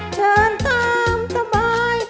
เชิญตามสบาย